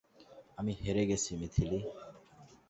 আমি হেরে গেছি, মিথিলি।